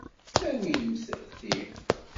Awimt ti.